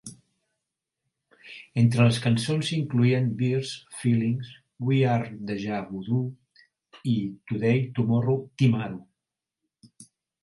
Entre les cançons, s'hi incloïen "Beers", "Feelings", "We are Deja Voodoo" i "Today Tomorrow Timaru".